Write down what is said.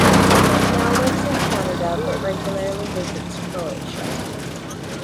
He now lives in Canada but regularly visits Croatia.